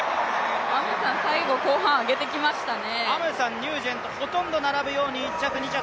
アムサン、最後、後半上げてきましたね。